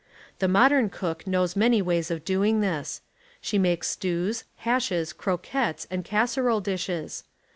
The modern cook knows many ways of doing this. She makes stews, p ., hashes, croquettes and casserole dishes.